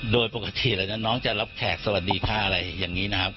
โดยปกติแล้วนะน้องจะรับแขกสวัสดีค่ะอะไรอย่างนี้นะครับ